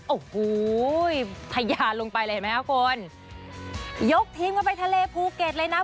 โอ้โหทะยานลงไปเลยเห็นไหมคะคุณยกทีมกันไปทะเลภูเก็ตเลยนะ